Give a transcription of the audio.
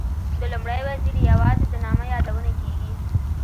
د لومړي وزیر یوازې د نامه یادونه کېږي.